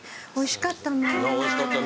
おいしかったな。